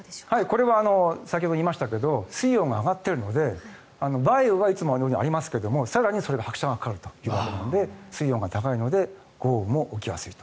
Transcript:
これは先ほど言いましたけど水温が上がっているので梅雨はいつもよりありますけど更にそれに拍車がかかるので水温が高いので豪雨も起きやすいと。